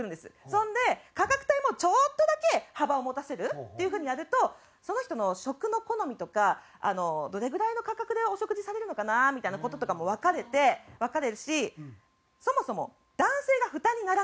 それで価格帯もちょっとだけ幅を持たせるっていう風にやるとその人の食の好みとかどれぐらいの価格でお食事されるのかなみたいな事とかもわかるしそもそも男性が負担にならない。